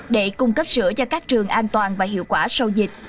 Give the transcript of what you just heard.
để cung cấp sữa cho các trường an toàn và hiệu quả sau dịch